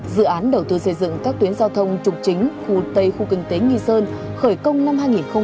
dự án đầu tư xây dựng các tuyến giao thông trục chính khu tây khu kinh tế nghi sơn khởi công năm hai nghìn một mươi bảy